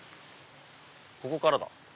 ここからだ！